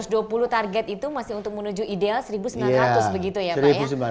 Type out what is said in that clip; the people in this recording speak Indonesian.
dua ratus dua puluh target itu masih untuk menuju ideal satu sembilan ratus begitu ya pak ya